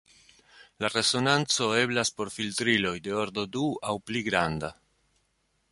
La resonanco eblas por filtriloj de ordo du aŭ pli granda.